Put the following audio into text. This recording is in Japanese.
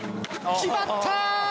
決まった。